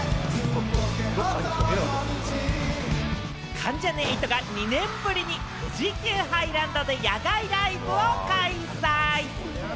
関ジャニ∞が２年ぶりに富士急ハイランドで野外ライブを開催！